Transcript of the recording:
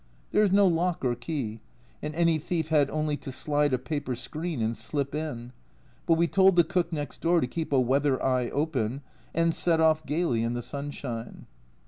There is no lock or key, and any thief had only to slide a paper screen and slip in, but we told the cook next door to keep a weather eye open, and set off gaily in the sunshine.